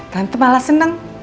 tante malah seneng